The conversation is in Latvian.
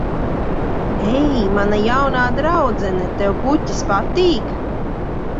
Ei, mana jaunā draudzene, tev puķes patīk?